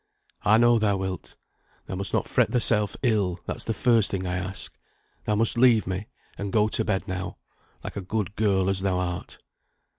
"I know thou wilt. Thou must not fret thyself ill, that's the first thing I ask. Thou must leave me, and go to bed now, like a good girl as thou art."